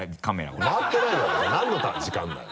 これ何の時間だよ。